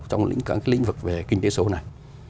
trong các lĩnh vực về kinh tế số này